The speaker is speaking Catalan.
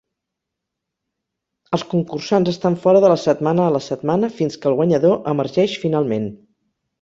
Els concursants estan fora de la setmana a la setmana fins que el guanyador emergeix finalment.